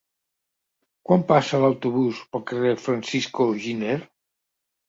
Quan passa l'autobús pel carrer Francisco Giner?